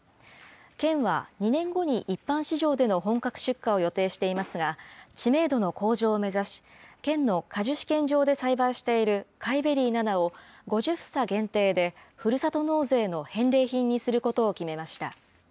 県は２年後に一般市場での本格出荷を予定していますが、知名度の向上を目指し、県の果樹試験場で栽培している甲斐ベリー７を、５０房限定でふるさと納税の返礼品にすることを決めました。